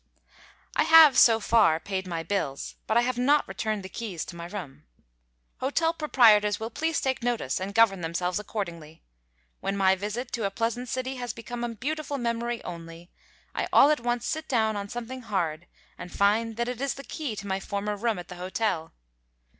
I have, so far, paid my bills, but I have not returned the keys to my room. Hotel proprietors will please take notice and govern themselves accordingly. When my visit to a pleasant city has become a beautiful memory only, I all at once sit down on something hard and find that it is the key to my former room at the hotel.